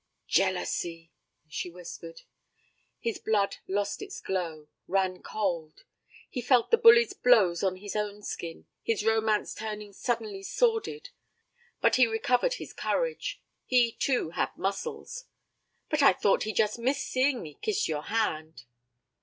'Jealousy,' she whispered. His blood lost its glow, ran cold. He felt the bully's blows on his own skin, his romance turning suddenly sordid. But he recovered his courage. He, too, had muscles. 'But I thought he just missed seeing me kiss your hand.'